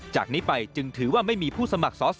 จากนี้ไปจึงถือว่าไม่มีผู้สมัครสอสอ